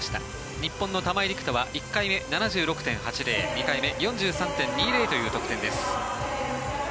日本の玉井陸斗は１回目、７６．８０２回目４３．２０という得点です。